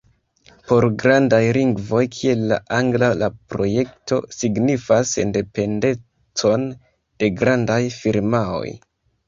Por grandaj lingvoj kiel la angla la projekto signifas sendependecon de grandaj firmaoj.